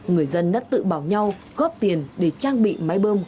người dân đã tự bảo nhau góp tiền để trang bị máy bơm